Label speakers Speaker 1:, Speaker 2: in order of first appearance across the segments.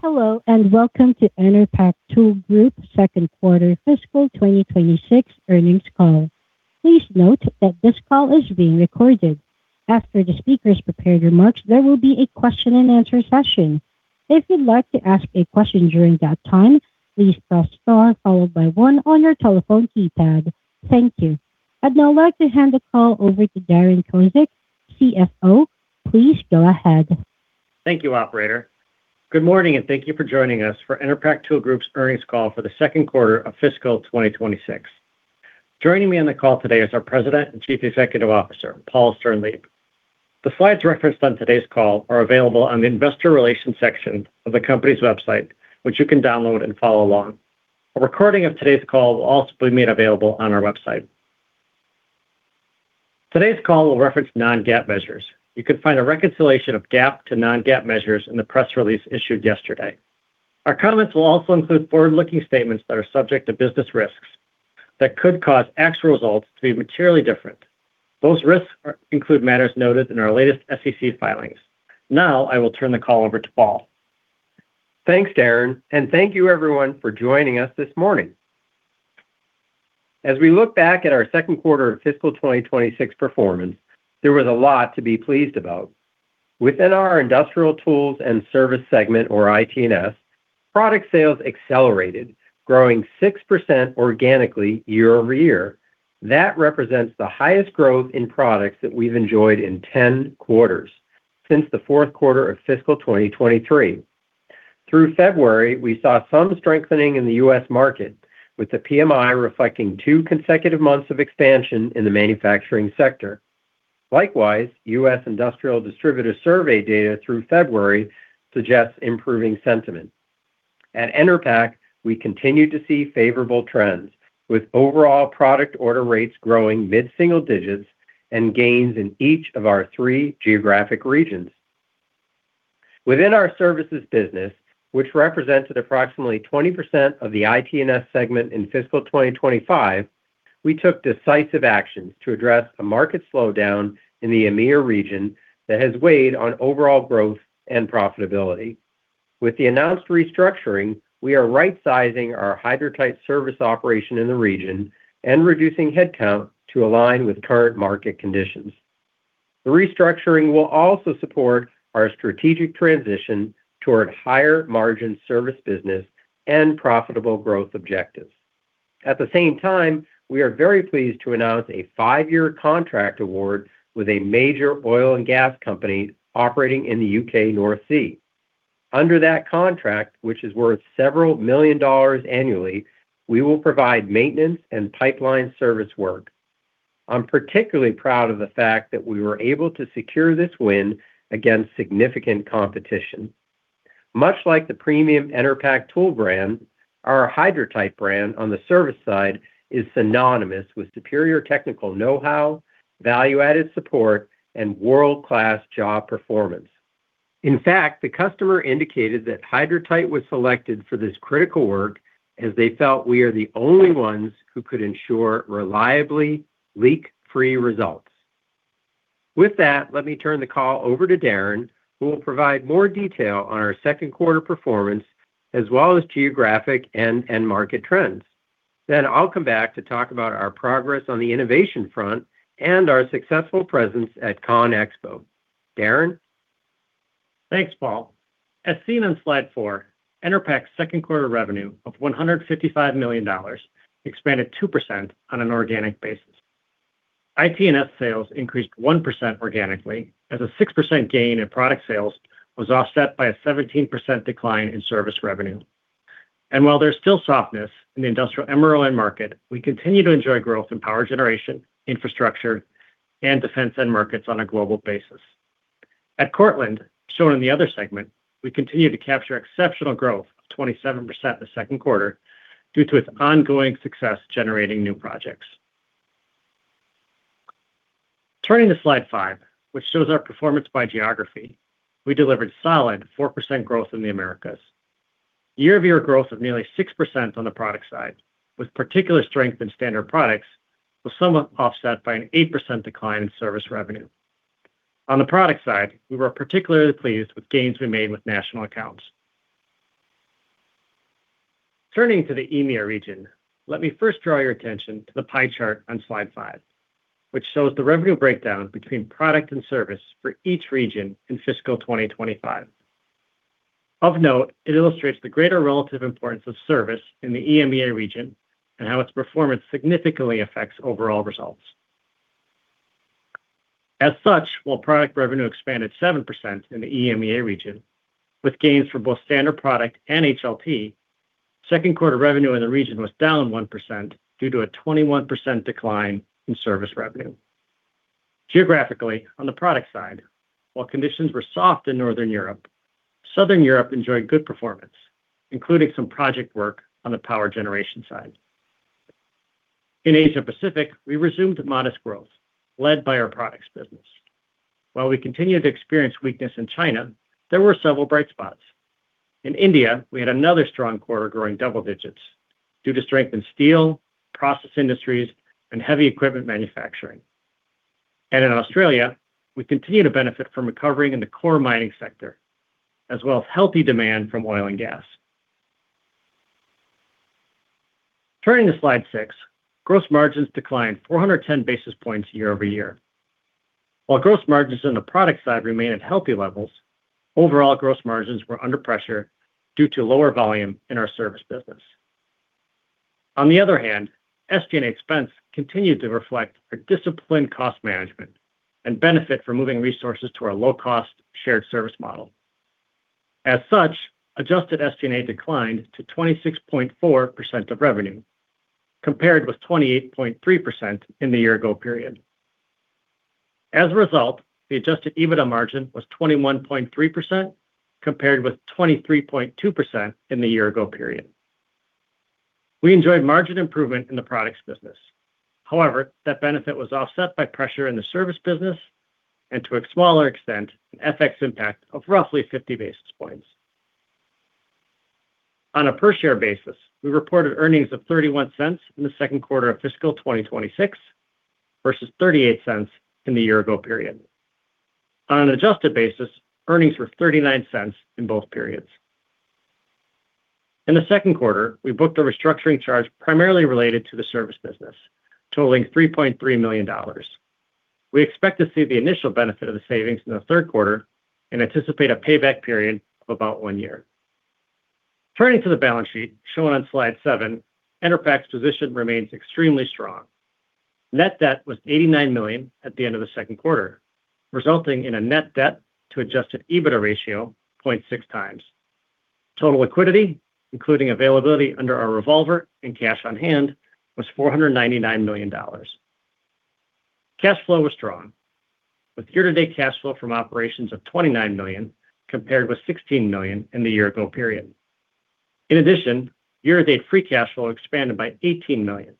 Speaker 1: Hello, and welcome to Enerpac Tool Group second quarter fiscal 2026 earnings call. Please note that this call is being recorded. After the speaker's prepared remarks, there will be a question-and answer-session. If you'd like to ask a question during that time, please press star followed by one on your telephone keypad. Thank you. I'd now like to hand the call over to Darren Kozik, CFO. Please go ahead.
Speaker 2: Thank you, operator. Good morning, and thank you for joining us for Enerpac Tool Group's earnings call for the second quarter of fiscal 2026. Joining me on the call today is our President and Chief Executive Officer, Paul Sternlieb. The slides referenced on today's call are available on the investor relations section of the company's website, which you can download and follow along. A recording of today's call will also be made available on our website. Today's call will reference Non-GAAP measures. You can find a reconciliation of GAAP to Non-GAAP measures in the press release issued yesterday. Our comments will also include forward-looking statements that are subject to business risks that could cause actual results to be materially different. Those risks include matters noted in our latest SEC filings. Now I will turn the call over to Paul.
Speaker 3: Thanks, Darren, and thank you everyone for joining us this morning. As we look back at our second quarter of fiscal 2026 performance, there was a lot to be pleased about. Within our industrial tools and service segment, or ITNS, product sales accelerated, growing 6% organically year-over-year. That represents the highest growth in products that we've enjoyed in 10 quarters since the fourth quarter of fiscal 2023. Through February, we saw some strengthening in the U.S. market, with the PMI reflecting two consecutive months of expansion in the manufacturing sector. Likewise, U.S. industrial distributor survey data through February suggests improving sentiment. At Enerpac, we continue to see favorable trends, with overall product order rates growing mid-single digits and gains in each of our three geographic regions. Within our services business, which represented approximately 20% of the ITNS segment in fiscal 2025, we took decisive actions to address a market slowdown in the EMEA region that has weighed on overall growth and profitability. With the announced restructuring, we are rightsizing our Hydratight service operation in the region and reducing headcount to align with current market conditions. The restructuring will also support our strategic transition toward higher margin service business and profitable growth objectives. At the same time, we are very pleased to announce a five-year contract award with a major oil and gas company operating in the U.K. North Sea. Under that contract, which is worth $several million annually, we will provide maintenance and pipeline service work. I'm particularly proud of the fact that we were able to secure this win against significant competition. Much like the premium Enerpac Tool brand, our Hydratight brand on the service side is synonymous with superior technical know-how, value-added support, and world-class job performance. In fact, the customer indicated that Hydratight was selected for this critical work as they felt we are the only ones who could ensure reliably leak-free results. With that, let me turn the call over to Darren, who will provide more detail on our second quarter performance as well as geographic end market trends. Then I'll come back to talk about our progress on the innovation front and our successful presence at CONEXPO. Darren?
Speaker 2: Thanks, Paul. As seen on slide 4, Enerpac's second quarter revenue of $155 million expanded 2% on an organic basis. ITNS sales increased 1% organically as a 6% gain in product sales was offset by a 17% decline in service revenue. While there's still softness in the industrial MRO market, we continue to enjoy growth in power generation, infrastructure, and defense end markets on a global basis. At Cortland, shown in the other segment, we continue to capture exceptional growth of 27% in the second quarter due to its ongoing success generating new projects. Turning to slide 5, which shows our performance by geography. We delivered solid 4% growth in the Americas. Year-over-year growth of nearly 6% on the product side, with particular strength in standard products was somewhat offset by an 8% decline in service revenue. On the product side, we were particularly pleased with gains we made with national accounts. Turning to the EMEA region, let me first draw your attention to the pie chart on slide 5, which shows the revenue breakdown between product and service for each region in fiscal 2025. Of note, it illustrates the greater relative importance of service in the EMEA region and how its performance significantly affects overall results. As such, while product revenue expanded 7% in the EMEA region with gains for both standard product and HLP, second quarter revenue in the region was down 1% due to a 21% decline in service revenue. Geographically, on the product side, while conditions were soft in Northern Europe, Southern Europe enjoyed good performance, including some project work on the power generation side. In Asia Pacific, we resumed modest growth led by our products business. While we continue to experience weakness in China, there were several bright spots. In India, we had another strong quarter growing double digits due to strength in steel, process industries, and heavy equipment manufacturing. In Australia, we continue to benefit from recovering in the core mining sector, as well as healthy demand from oil and gas. Turning to slide 6, gross margins declined 410 basis points year-over-year. While gross margins in the product side remain at healthy levels, overall gross margins were under pressure due to lower volume in our service business. On the other hand, SG&A expense continued to reflect a disciplined cost management and benefit from moving resources to our low-cost shared service model. As such, adjusted SG&A declined to 26.4% of revenue, compared with 28.3% in the year ago period. As a result, the Adjusted EBITDA margin was 21.3% compared with 23.2% in the year ago period. We enjoyed margin improvement in the products business. However, that benefit was offset by pressure in the service business and to a smaller extent, an FX impact of roughly 50 basis points. On a per share basis, we reported earnings of $0.31 in the second quarter of fiscal 2026 versus $0.38 in the year ago period. On an adjusted basis, earnings were $0.39 in both periods. In the second quarter, we booked a restructuring charge primarily related to the service business, totaling $3.3 million. We expect to see the initial benefit of the savings in the third quarter and anticipate a payback period of about one year. Turning to the balance sheet shown on slide 7, Enerpac's position remains extremely strong. Net debt was $89 million at the end of the second quarter, resulting in a net debt to Adjusted EBITDA ratio of 0.6x. Total liquidity, including availability under our revolver and cash on hand, was $499 million. Cash flow was strong with year-to-date cash flow from operations of $29 million, compared with $16 million in the year-ago period. In addition, year-to-date free cash flow expanded by $18 million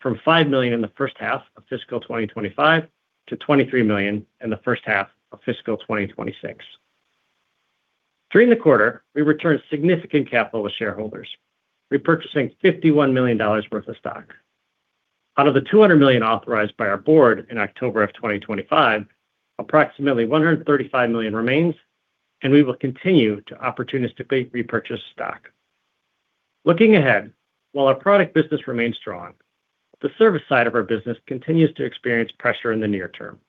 Speaker 2: from $5 million in the first half of fiscal 2025 to $23 million in the first half of fiscal 2026. During the quarter, we returned significant capital to shareholders, repurchasing $51 million worth of stock. Out of the $200 million authorized by our board in October of 2025, approximately $135 million remains, and we will continue to opportunistically repurchase stock. Looking ahead, while our product business remains strong, the service side of our business continues to experience pressure in the near term.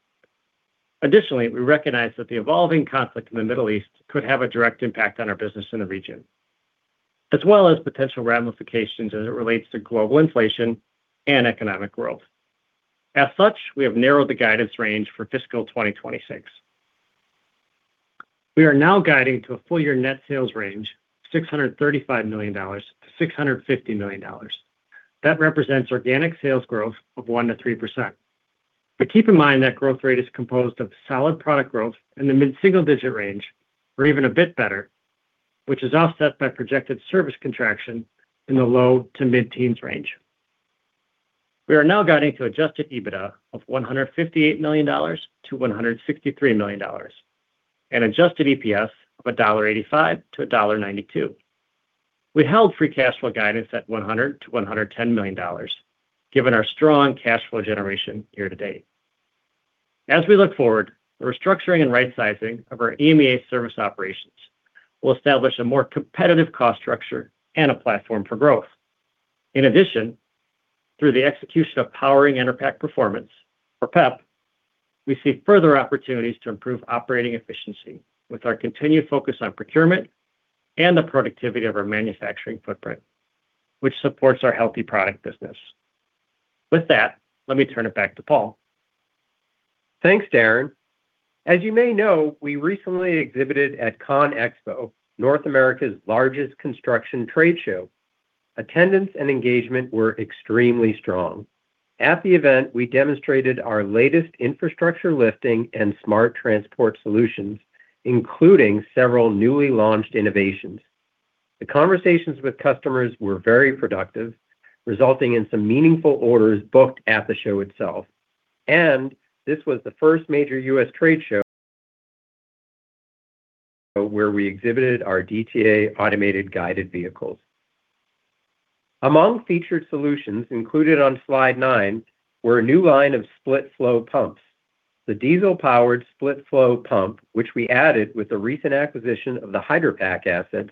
Speaker 2: Additionally, we recognize that the evolving conflict in the Middle East could have a direct impact on our business in the region, as well as potential ramifications as it relates to global inflation and economic growth. As such, we have narrowed the guidance range for fiscal 2026. We are now guiding to a full year net sales range of $635 million-$650 million. That represents organic sales growth of 1%-3%. Keep in mind that growth rate is composed of solid product growth in the mid-single digit range, or even a bit better, which is offset by projected service contraction in the low to mid-teens range. We are now guiding to Adjusted EBITDA of $158 million-$163 million and adjusted EPS of $1.85-$1.92. We held free cash flow guidance at $100 million-$110 million, given our strong cash flow generation year to date. As we look forward, the restructuring and rightsizing of our EMEA service operations will establish a more competitive cost structure and a platform for growth. In addition, through the execution of Powering Enerpac Performance, or PEP, we see further opportunities to improve operating efficiency with our continued focus on procurement and the productivity of our manufacturing footprint, which supports our healthy product business. With that, let me turn it back to Paul.
Speaker 3: Thanks, Darren. As you may know, we recently exhibited at CONEXPO-CON/AGG, North America's largest construction trade show. Attendance and engagement were extremely strong. At the event, we demonstrated our latest infrastructure lifting and smart transport solutions, including several newly launched innovations. The conversations with customers were very productive, resulting in some meaningful orders booked at the show itself. This was the first major U.S. trade show where we exhibited our DTA automated guided vehicles. Among featured solutions included on slide 9 were a new line of split flow pumps. The diesel-powered split flow pump, which we added with the recent acquisition of the Hydra-Pac assets,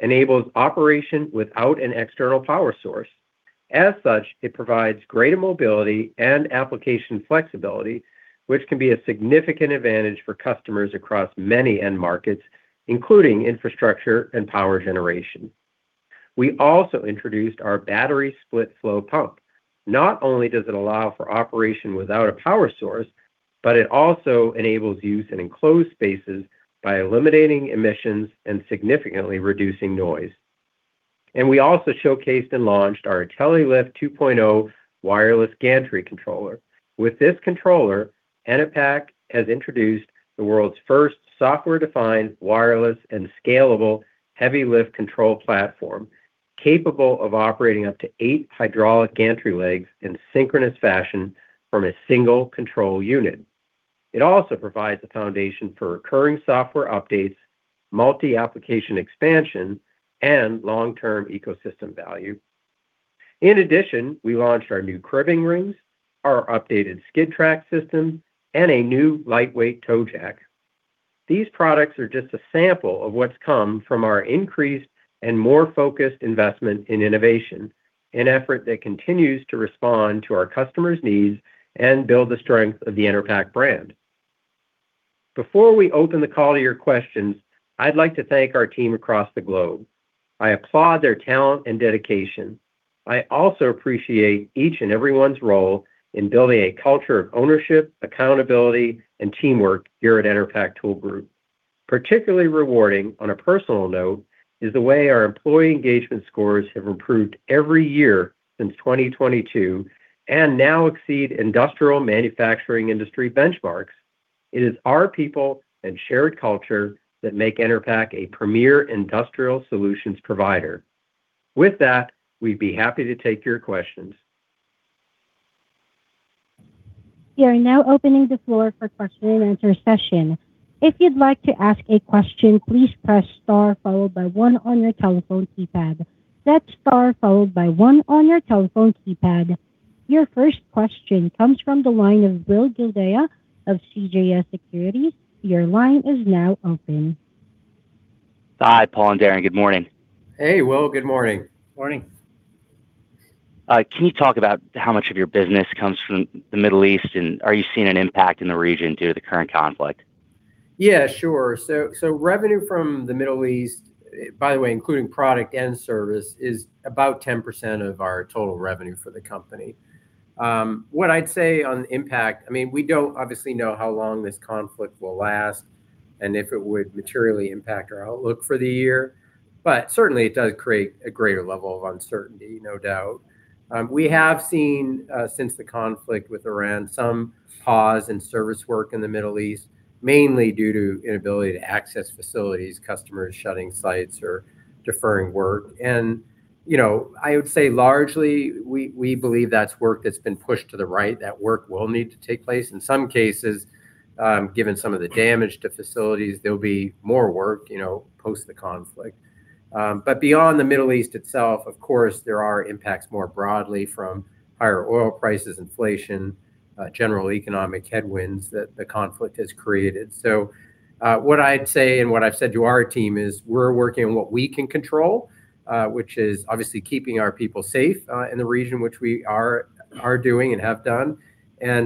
Speaker 3: enables operation without an external power source. As such, it provides greater mobility and application flexibility, which can be a significant advantage for customers across many end markets, including infrastructure and power generation. We also introduced our battery split flow pump. Not only does it allow for operation without a power source, but it also enables use in enclosed spaces by eliminating emissions and significantly reducing noise. We also showcased and launched our Intelli-Lift 2.0 wireless gantry controller. With this controller, Enerpac has introduced the world's first software-defined, wireless, and scalable heavy lift control platform, capable of operating up to eight hydraulic gantry legs in synchronous fashion from a single control unit. It also provides the foundation for recurring software updates, multi-application expansion, and long-term ecosystem value. In addition, we launched our new Cribbing Rings, our updated skid track system, and a new lightweight toe jack. These products are just a sample of what's come from our increased and more focused investment in innovation, an effort that continues to respond to our customers' needs and build the strength of the Enerpac brand. Before we open the call to your questions, I'd like to thank our team across the globe. I applaud their talent and dedication. I also appreciate each and everyone's role in building a culture of ownership, accountability, and teamwork here at Enerpac Tool Group. Particularly rewarding on a personal note is the way our employee engagement scores have improved every year since 2022 and now exceed industrial manufacturing industry benchmarks. It is our people and shared culture that make Enerpac a premier industrial solutions provider. With that, we'd be happy to take your questions.
Speaker 1: We are now opening the floor for question-and-answer session. If you'd like to ask a question, please press star followed by one on your telephone keypad. That's star followed by one on your telephone keypad. Your first question comes from the line of Will Gildea of CJS Securities. Your line is now open.
Speaker 4: Hi, Paul and Darren. Good morning.
Speaker 3: Hey, Will. Good morning.
Speaker 2: Morning.
Speaker 4: Can you talk about how much of your business comes from the Middle East? Are you seeing an impact in the region due to the current conflict?
Speaker 3: Yeah, sure. Revenue from the Middle East, by the way, including product and service, is about 10% of our total revenue for the company. What I'd say on impact, I mean, we don't obviously know how long this conflict will last and if it would materially impact our outlook for the year. Certainly it does create a greater level of uncertainty, no doubt. We have seen since the conflict with Iran, some pause in service work in the Middle East, mainly due to inability to access facilities, customers shutting sites or deferring work. You know, I would say largely, we believe that's work that's been pushed to the right. That work will need to take place. In some cases, given some of the damage to facilities, there'll be more work, you know, post the conflict. Beyond the Middle East itself, of course, there are impacts more broadly from higher oil prices, inflation, general economic headwinds that the conflict has created. What I'd say, and what I've said to our team is we're working on what we can control, which is obviously keeping our people safe in the region which we are doing and have done.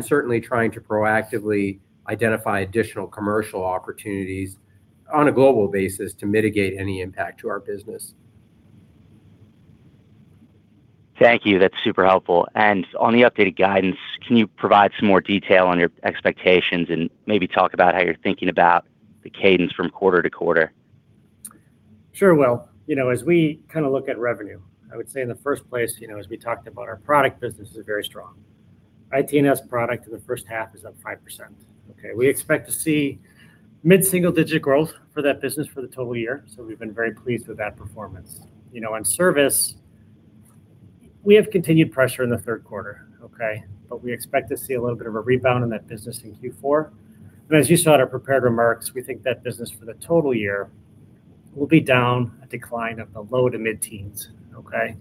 Speaker 3: Certainly trying to proactively identify additional commercial opportunities on a global basis to mitigate any impact to our business.
Speaker 4: Thank you. That's super helpful. On the updated guidance, can you provide some more detail on your expectations and maybe talk about how you're thinking about the cadence from quarter to quarter?
Speaker 2: Sure, Will. You know, as we kind of look at revenue, I would say in the first place, you know, as we talked about, our product business is very strong. ITNS product in the first half is up 5%, okay. We expect to see mid-single digit growth for that business for the total year. We've been very pleased with that performance. You know, on service, we have continued pressure in the third quarter, okay. We expect to see a little bit of a rebound in that business in Q4. As you saw in our prepared remarks, we think that business for the total year will be down a decline of the low- to mid-teens, okay.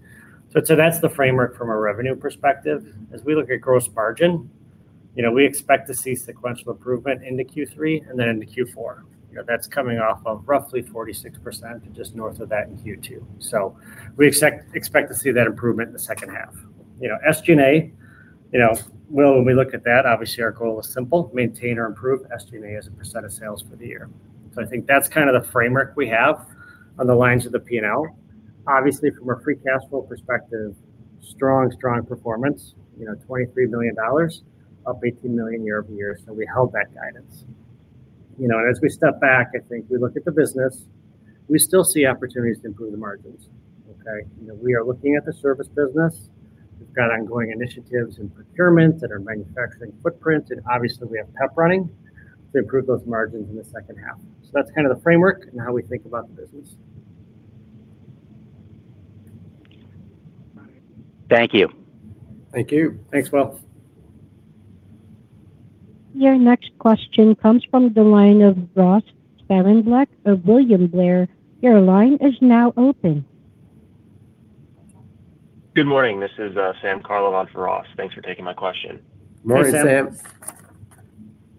Speaker 2: That's the framework from a revenue perspective. As we look at gross margin, you know, we expect to see sequential improvement into Q3 and then into Q4. You know, that's coming off of roughly 46% or just north of that in Q2. We expect to see that improvement in the second half. You know, SG&A, you know, Will, when we look at that, obviously our goal is simple, maintain or improve SG&A as a percent of sales for the year. I think that's kind of the framework we have along the lines of the P&L. Obviously, from a free cash flow perspective, strong performance. You know, $23 million, up $18 million year-over-year. We held that guidance. You know, as we step back, I think we look at the business, we still see opportunities to improve the margins, okay. You know, we are looking at the service business. We've got ongoing initiatives in procurement that are manufacturing footprint, and obviously we have PEP running to improve those margins in the second half. That's kind of the framework and how we think about the business.
Speaker 4: Thank you.
Speaker 3: Thank you.
Speaker 2: Thanks, Will.
Speaker 1: Your next question comes from the line of Ross Sparenblek of William Blair. Your line is now open.
Speaker 5: Good morning. This is Sam Carlo on for Ross. Thanks for taking my question.
Speaker 3: Morning, Sam.
Speaker 2: Hey,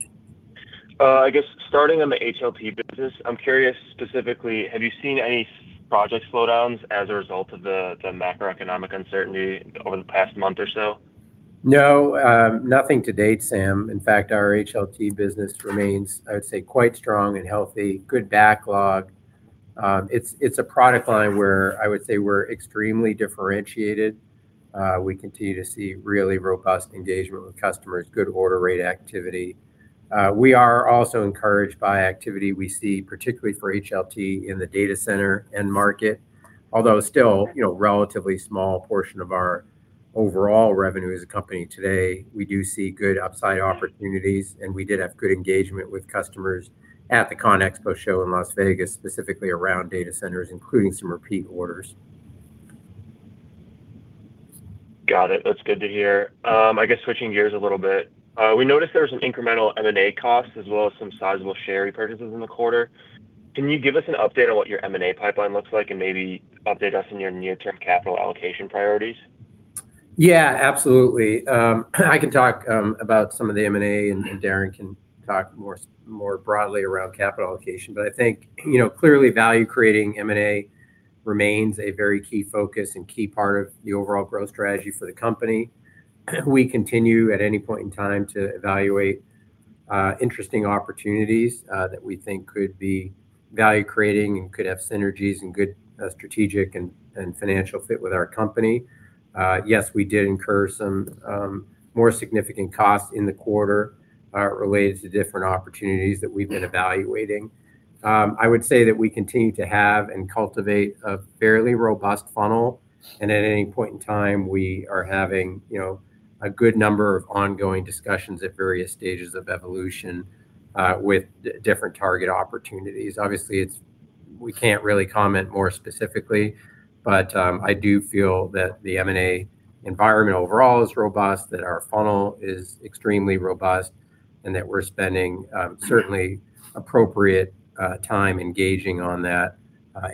Speaker 2: Sam.
Speaker 5: I guess starting on the HLT business, I'm curious specifically, have you seen any project slowdowns as a result of the macroeconomic uncertainty over the past month or so?
Speaker 3: No, nothing to date, Sam. In fact, our HLT business remains, I would say, quite strong and healthy, good backlog. It's a product line where I would say we're extremely differentiated. We continue to see really robust engagement with customers, good order rate activity. We are also encouraged by activity we see, particularly for HLT in the data center end market. Although still, you know, relatively small portion of our overall revenue as a company today, we do see good upside opportunities, and we did have good engagement with customers at the CONEXPO show in Las Vegas, specifically around data centers, including some repeat orders.
Speaker 5: Got it. That's good to hear. I guess switching gears a little bit. We noticed there was an incremental M&A cost as well as some sizable share repurchases in the quarter. Can you give us an update on what your M&A pipeline looks like, and maybe update us on your near-term capital allocation priorities?
Speaker 3: Yeah, absolutely. I can talk about some of the M&A, and Darren can talk more broadly around capital allocation. I think, you know, clearly value creating M&A remains a very key focus and key part of the overall growth strategy for the company. We continue at any point in time to evaluate interesting opportunities that we think could be value creating and could have synergies and good strategic and financial fit with our company. Yes, we did incur some more significant costs in the quarter related to different opportunities that we've been evaluating. I would say that we continue to have and cultivate a fairly robust funnel, and at any point in time, we are having, you know, a good number of ongoing discussions at various stages of evolution with different target opportunities. Obviously, we can't really comment more specifically, but I do feel that the M&A environment overall is robust, that our funnel is extremely robust, and that we're spending certainly appropriate time engaging on that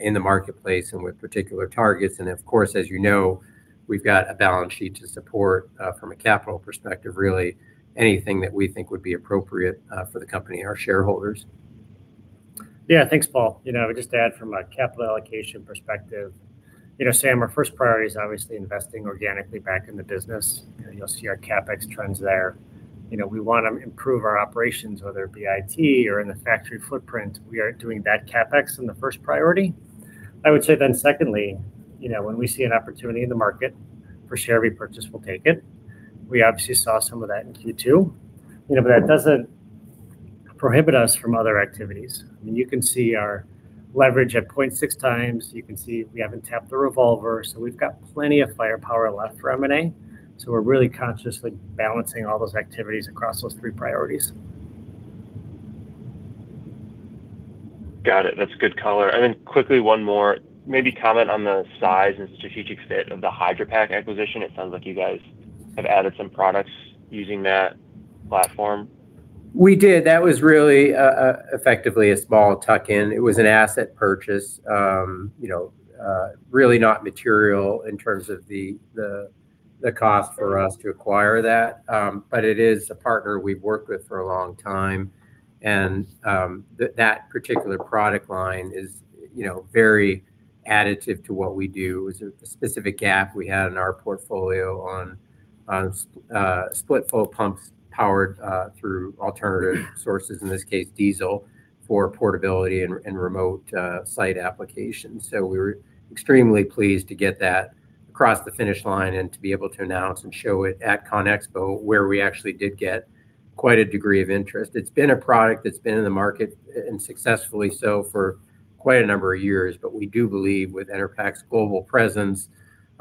Speaker 3: in the marketplace and with particular targets. Of course, as you know, we've got a balance sheet to support from a capital perspective really anything that we think would be appropriate for the company and our shareholders.
Speaker 2: Yeah. Thanks, Paul. You know, just to add from a capital allocation perspective, you know, Sam, our first priority is obviously investing organically back in the business. You know, you'll see our CapEx trends there. You know, we wanna improve our operations, whether it be IT or in the factory footprint. We are doing that CapEx in the first priority. I would say then secondly, you know, when we see an opportunity in the market for share repurchase, we'll take it. We obviously saw some of that in Q2. You know, that doesn't prohibit us from other activities. I mean, you can see our leverage at 0.6x. You can see we haven't tapped the revolver. We've got plenty of firepower left for M&A. We're really consciously balancing all those activities across those three priorities.
Speaker 5: Got it. That's good color. Quickly one more. Maybe comment on the size and strategic fit of the Hydra-Pac acquisition. It sounds like you guys have added some products using that platform.
Speaker 3: We did. That was really effectively a small tuck-in. It was an asset purchase, you know, really not material in terms of the cost for us to acquire that. It is a partner we've worked with for a long time. That particular product line is, you know, very additive to what we do. It was a specific gap we had in our portfolio on split flow pumps powered through alternative sources, in this case, diesel, for portability and remote site applications. We were extremely pleased to get that across the finish line and to be able to announce and show it at CONEXPO, where we actually did get quite a degree of interest. It's been a product that's been in the market and successfully so for quite a number of years. We do believe with Enerpac's global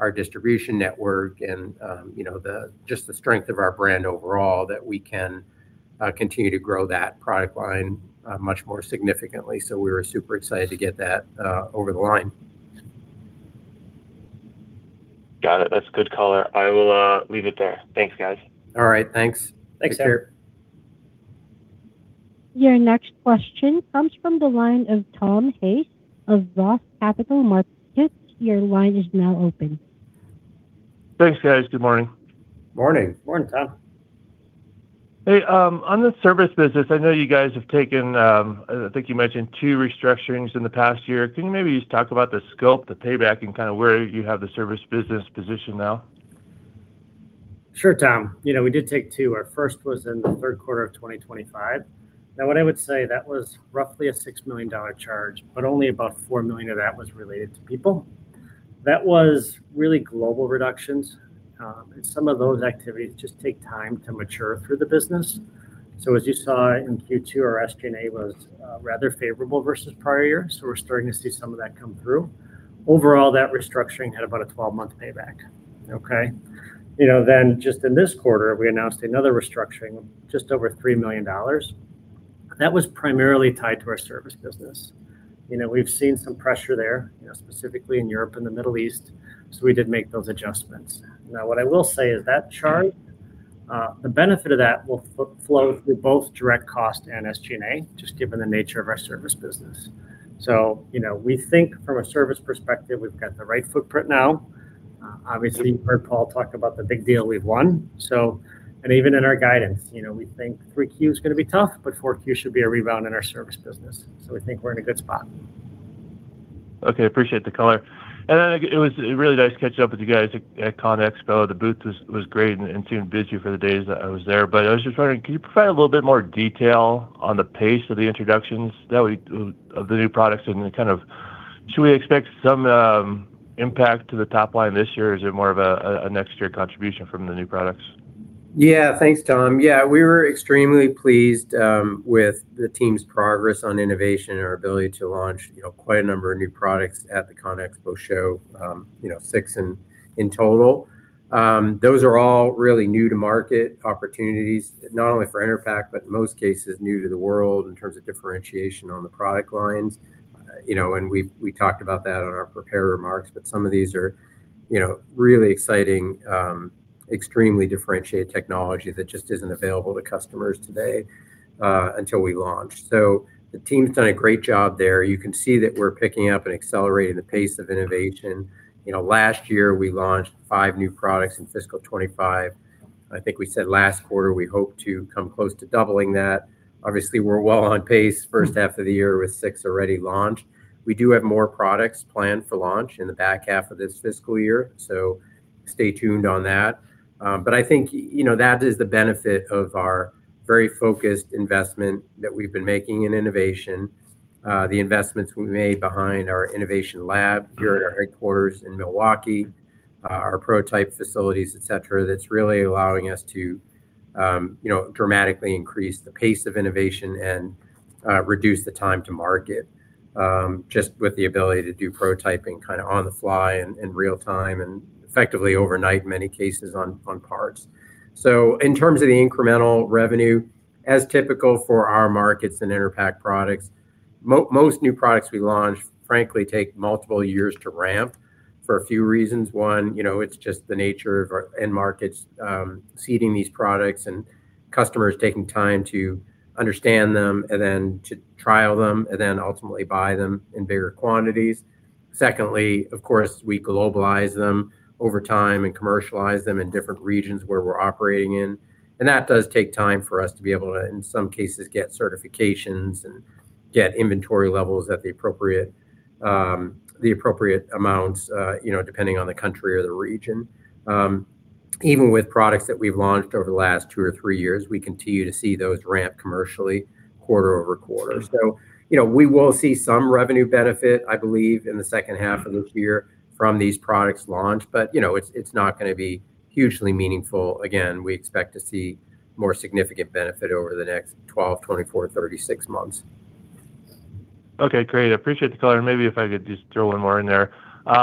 Speaker 3: presence, our distribution network and, you know, the, just the strength of our brand overall that we can continue to grow that product line much more significantly. We were super excited to get that over the line.
Speaker 5: Got it. That's good color. I will leave it there. Thanks, guys.
Speaker 3: All right, thanks.
Speaker 2: Thanks, Sam.
Speaker 3: Take care.
Speaker 1: Your next question comes from the line of Tom Hayes of Roth Capital Partners. Your line is now open.
Speaker 6: Thanks, guys. Good morning.
Speaker 3: Morning.
Speaker 2: Morning, Tom.
Speaker 6: Hey, on the service business, I know you guys have taken, I think you mentioned two restructurings in the past year. Can you maybe just talk about the scope, the payback, and kinda where you have the service business positioned now?
Speaker 2: Sure, Tom. You know, we did take two. Our first was in the third quarter of 2025. Now what I would say, that was roughly a $6 million charge, but only about $4 million of that was related to people. That was really global reductions. Some of those activities just take time to mature through the business. So as you saw in Q2, our SG&A was rather favorable versus prior years. So we're starting to see some of that come through. Overall, that restructuring had about a 12-month payback. Okay. You know, then just in this quarter, we announced another restructuring, just over $3 million. That was primarily tied to our service business. You know, we've seen some pressure there, you know, specifically in Europe and the Middle East, so we did make those adjustments. Now, what I will say is that charge, the benefit of that will flow through both direct cost and SG&A, just given the nature of our service business. You know, we think from a service perspective, we've got the right footprint now. Obviously, you heard Paul talk about the big deal we've won. And even in our guidance, you know, we think 3Q is gonna be tough, but 4Q should be a rebound in our service business. We think we're in a good spot.
Speaker 6: Okay. Appreciate the color. Then it was really nice to catch up with you guys at CONEXPO. The booth was great and seemed busy for the days that I was there. I was just wondering, can you provide a little bit more detail on the pace of the introductions of the new products and kind of should we expect some impact to the top line this year, or is it more of a next year contribution from the new products?
Speaker 3: Yeah. Thanks, Tom. Yeah, we were extremely pleased with the team's progress on innovation and our ability to launch, you know, quite a number of new products at the CONEXPO show, you know, six in total. Those are all really new to market opportunities, not only for Enerpac, but in most cases, new to the world in terms of differentiation on the product lines. You know, and we talked about that in our prepared remarks, but some of these are, you know, really exciting, extremely differentiated technology that just isn't available to customers today until we launch. So the team's done a great job there. You can see that we're picking up and accelerating the pace of innovation. You know, last year, we launched five new products in fiscal 2025. I think we said last quarter we hope to come close to doubling that. Obviously, we're well on pace first half of the year with six already launched. We do have more products planned for launch in the back half of this fiscal year, so stay tuned on that. I think, you know, that is the benefit of our very focused investment that we've been making in innovation. The investments we made behind our innovation lab here at our headquarters in Milwaukee, our prototype facilities, et cetera, that's really allowing us to, you know, dramatically increase the pace of innovation and reduce the time to market, just with the ability to do prototyping kind of on the fly and in real time, and effectively overnight, in many cases on parts. In terms of the incremental revenue, as typical for our markets and Enerpac products, most new products we launch frankly take multiple years to ramp for a few reasons. One, you know, it's just the nature of our end markets, seeding these products and customers taking time to understand them and then to trial them and then ultimately buy them in bigger quantities. Secondly, of course, we globalize them over time and commercialize them in different regions where we're operating in, and that does take time for us to be able to, in some cases, get certifications and get inventory levels at the appropriate amounts, you know, depending on the country or the region. Even with products that we've launched over the last two or three years, we continue to see those ramp commercially quarter-over-quarter. You know, we will see some revenue benefit, I believe, in the second half of this year from these products launch. You know, it's not gonna be hugely meaningful. Again, we expect to see more significant benefit over the next 12, 24, 36 months.
Speaker 6: Okay. Great. I appreciate the color. Maybe if I could just throw one more in there. Is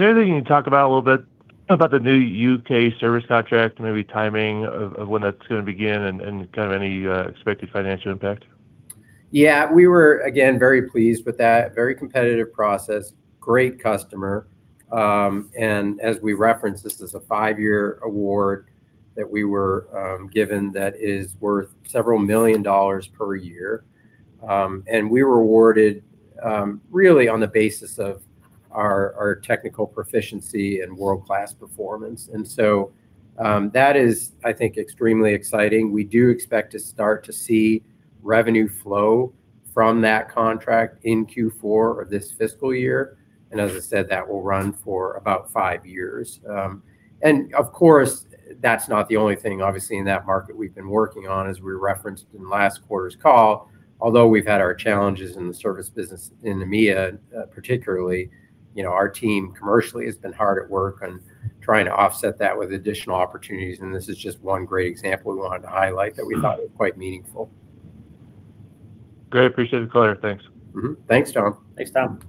Speaker 6: there anything you can talk about a little bit about the new U.K. service contract, maybe timing of when that's gonna begin and kind of any expected financial impact?
Speaker 3: Yeah, we were again very pleased with that very competitive process, great customer. As we referenced, this is a five-year award that we were given that is worth several million dollars per year. We were awarded really on the basis of our technical proficiency and world-class performance. That is, I think, extremely exciting. We do expect to start to see revenue flow from that contract in Q4 of this fiscal year, and as I said, that will run for about five years. Of course, that's not the only thing obviously in that market we've been working on. As we referenced in last quarter's call, although we've had our challenges in the service business in EMEA, particularly, you know, our team commercially has been hard at work on trying to offset that with additional opportunities, and this is just one great example we wanted to highlight that we thought it quite meaningful.
Speaker 6: Great. Appreciate the color. Thanks.
Speaker 3: Thanks, Tom.
Speaker 2: Thanks, Tom.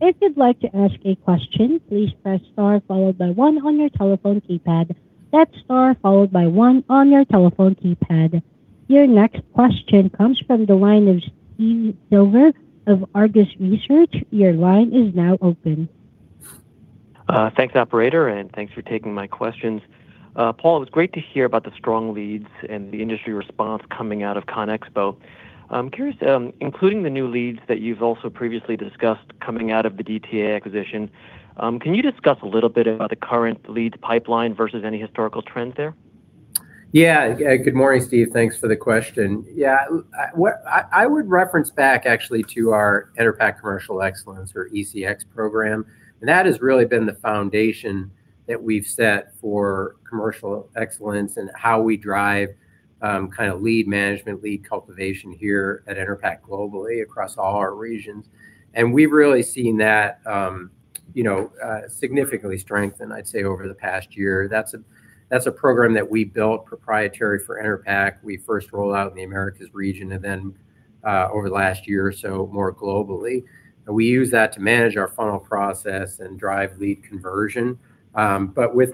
Speaker 1: If you would like to ask a question, please press star followed by one on your telephone keypad. That's star followed by one on your telephone keypad. Your next question comes from the line of Steve Silver of Argus Research. Your line is now open.
Speaker 7: Thanks, operator, and thanks for taking my questions. Paul, it was great to hear about the strong leads and the industry response coming out of CONEXPO. I'm curious, including the new leads that you've also previously discussed coming out of the DTA acquisition, can you discuss a little bit about the current leads pipeline versus any historical trends there?
Speaker 3: Yeah. Yeah. Good morning, Steve. Thanks for the question. Yeah. I would reference back actually to our Enerpac Commercial Excellence or ECX program, and that has really been the foundation that we've set for commercial excellence and how we drive kinda lead management, lead cultivation here at Enerpac globally across all our regions. We've really seen that you know significantly strengthen, I'd say, over the past year. That's a program that we built proprietary for Enerpac. We first rolled out in the Americas region, and then over the last year or so, more globally. We use that to manage our funnel process and drive lead conversion. But with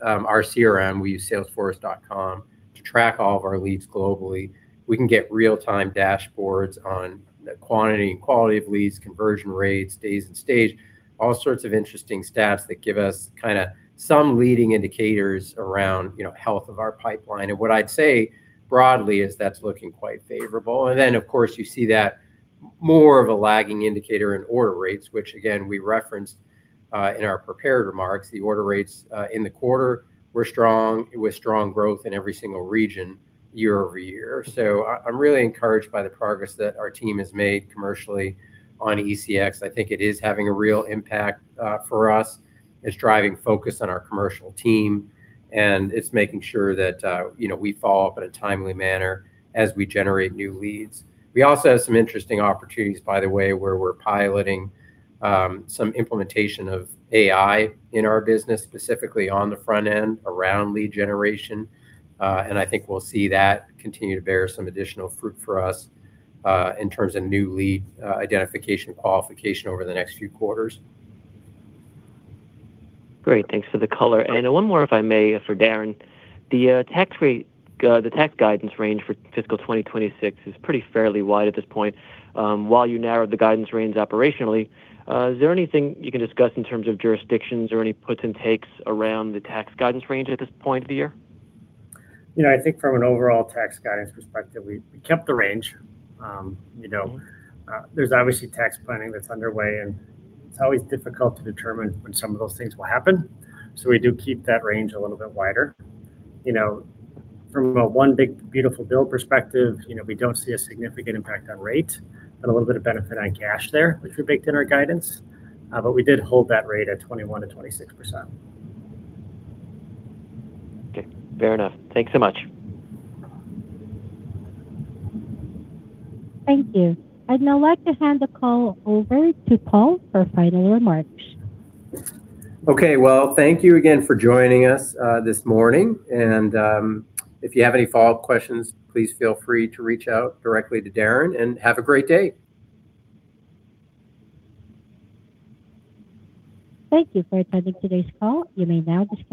Speaker 3: our CRM, we use salesforce.com to track all of our leads globally. We can get real-time dashboards on the quantity and quality of leads, conversion rates, days in stage, all sorts of interesting stats that give us kinda some leading indicators around, you know, health of our pipeline. What I'd say broadly is that's looking quite favorable. Of course you see that more of a lagging indicator in order rates, which again we referenced in our prepared remarks. The order rates in the quarter were strong, with strong growth in every single region year-over-year. I'm really encouraged by the progress that our team has made commercially on ECX. I think it is having a real impact for us. It's driving focus on our commercial team, and it's making sure that, you know, we follow up in a timely manner as we generate new leads. We also have some interesting opportunities, by the way, where we're piloting some implementation of AI in our business, specifically on the front end around lead generation. I think we'll see that continue to bear some additional fruit for us in terms of new lead identification qualification over the next few quarters.
Speaker 7: Great. Thanks for the color. One more, if I may, for Darren. The tax guidance range for fiscal 2026 is pretty fairly wide at this point. While you narrowed the guidance range operationally, is there anything you can discuss in terms of jurisdictions or any puts and takes around the tax guidance range at this point of the year?
Speaker 2: You know, I think from an overall tax guidance perspective, we kept the range. You know, there's obviously tax planning that's underway, and it's always difficult to determine when some of those things will happen, so we do keep that range a little bit wider. You know, from a One Big Beautiful Bill perspective, you know, we don't see a significant impact on rate, but a little bit of benefit on cash there, which we baked in our guidance. But we did hold that rate at 21%-26%.
Speaker 7: Okay. Fair enough. Thanks so much.
Speaker 1: Thank you. I'd now like to hand the call over to Paul for final remarks.
Speaker 3: Okay. Well, thank you again for joining us, this morning. If you have any follow-up questions, please feel free to reach out directly to Darren, and have a great day.
Speaker 1: Thank you for attending today's call. You may now disconnect.